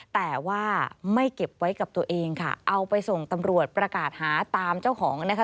แต่ว่าไม่เก็บไว้กับตัวเองค่ะเอาไปส่งตำรวจประกาศหาตามเจ้าของนะคะ